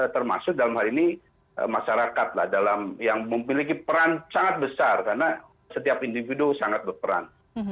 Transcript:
termasuk dalam hal ini masyarakat yang memiliki peran sangat besar karena setiap individu sangat berperan